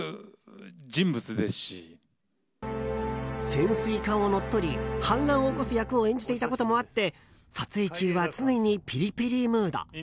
潜水艦を乗っ取り反乱を起こす役を演じていたこともあって撮影中は常にピリピリムード。